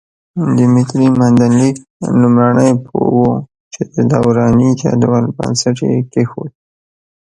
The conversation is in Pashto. دیمتري مندلیف لومړنی پوه وو چې د دوراني جدول بنسټ یې کېښود.